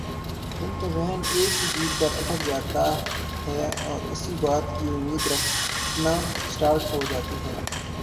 ان کے ذہن ایک ہی چیز پر اٹک جاتے ہیں اور اسی بات کی امید رکھنا اسٹارٹ ہو جاتی ہیں